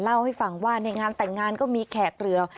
เล่าให้ฟังว่าในงานแต่งงานก็มีแขกเรือ